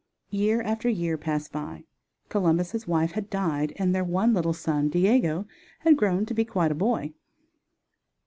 Year after year passed by, Columbus' wife had died, and their one little son, Diego, had grown to be quite a boy.